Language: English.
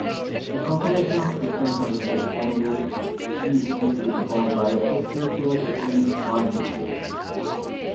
The confirmation of system-suggested candidates is usually performed by a technician in forensic systems.